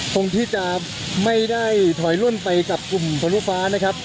คงที่จะไม่ได้ถอยล่นไปกับกลุ่มทะลุฟ้านะครับ